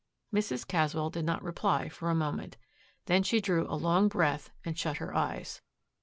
Mrs. Caswell did not reply for a moment. Then she drew a long breath and shut her eyes.